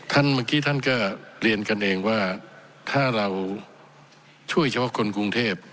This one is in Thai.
เมื่อกี้ท่านก็เรียนกันเองว่าถ้าเราช่วยเฉพาะคนกรุงเทพ